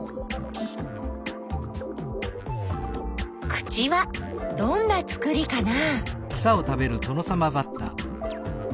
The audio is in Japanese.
口はどんなつくりかな？